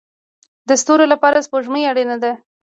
د ستورو لپاره سپوږمۍ اړین ده